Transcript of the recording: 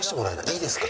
いいですか？